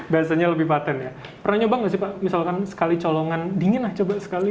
biasanya lebih patent ya pernah nyoba nggak sih pak misalkan sekali colongan dingin aja pak